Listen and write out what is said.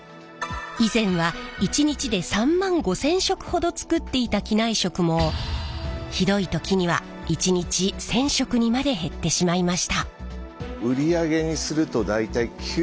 以前は１日で３万５，０００食ほど作っていた機内食もひどい時には１日１，０００食にまで減ってしまいました。